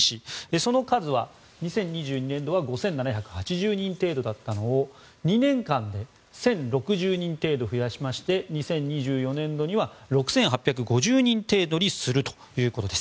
その数は、２０２２年度は５７８０人程度だったのを２年間で１０６０人程度増やしまして２０２４年度には６８５０人程度にするということです。